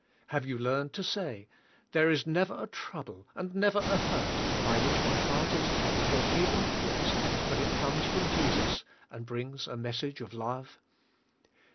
Have 3^ou learned to say, "There is never a trouble, and never a hurt by which my heart is touched or even pierced, but it comes from Jesus, and brings a message of love?"